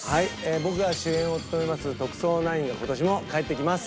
僕が主演を務めます『特捜９』が今年も帰ってきます。